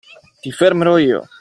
Ti fermerò io.